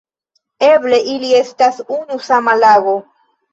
Eble ili estas unu sama lago.